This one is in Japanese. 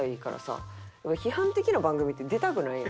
批判的な番組って出たくないやん。